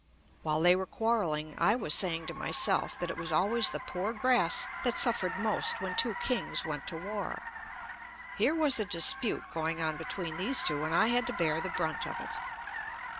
While they were quarrelling, I was saying to myself that it was always the poor grass that suffered most when two kings went to war. Here was a dispute going on between these two, and I had to bear the brunt of it.